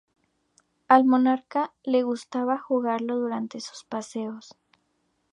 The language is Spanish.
Al monarca le gustaba jugarlo durante sus paseos.